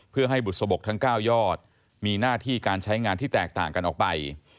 เพื่อให้บุษบกทั้ง๙ยอดมีหน้าที่การใช้งานที่แตกต่างกันออกไป